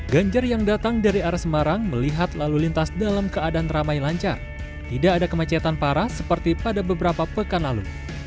ganjar yang datang dari arah semarang melihat lalu lintas dalam keadaan ramai lancar tidak ada kemacetan parah seperti pada beberapa pekan lalu